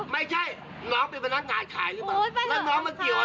ไม่ใช่น้องเป็นพนักงานขายหรือเปล่า